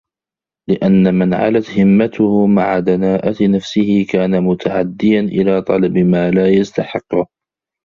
لِأَنَّ مَنْ عَلَتْ هِمَّتُهُ مَعَ دَنَاءَةِ نَفْسِهِ كَانَ مُتَعَدِّيًا إلَى طَلَبِ مَا لَا يَسْتَحِقُّهُ